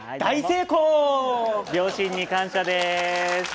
両親に感謝です。